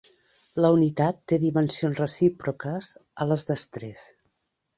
La unitat té dimensions recíproques a les d'estrès.